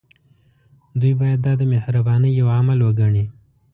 دوی باید دا د مهربانۍ يو عمل وګڼي.